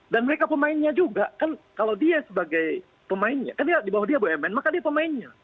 dan mereka pemainnya juga kan kalau dia sebagai pemainnya kan di bawah dia bumn maka dia pemainnya